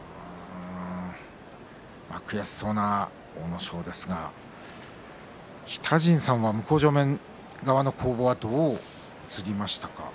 悔しそうな阿武咲ですが北陣さんは向正面側の攻防はどう映りましたか？